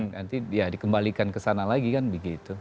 nanti ya dikembalikan ke sana lagi kan begitu